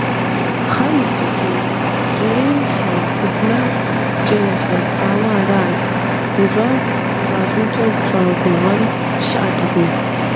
Пхъэр ныскӀэлъежьэрэ саубыдмэ, кӀэ згъуэтауэ арат, гущӀэгъу къыпхуащӀынкӀэ ущӀэгугъэн щыӀэтэкъым.